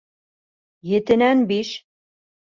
Етенән биш